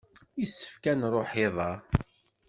Yessefk ad nruḥ iḍ-a.